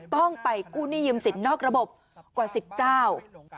ต้องไปกู้หนี้ยืมสิทธิ์นอกระบบกว่า๑๙